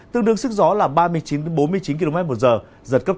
tương đương sức gió là ba mươi chín bốn mươi chín km một giờ giật cấp chín